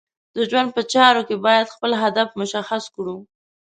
د ژوند په چارو کې باید خپل هدف مشخص کړو.